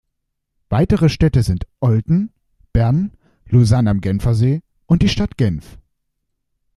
Weitere Städte sind Olten, Bern, Lausanne am Genfersee und die Stadt Genf.